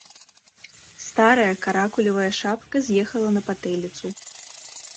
Старая каракулевая шапка з'ехала на патыліцу.